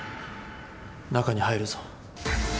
中に入るぞ。